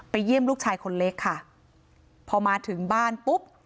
เยี่ยมลูกชายคนเล็กค่ะพอมาถึงบ้านปุ๊บ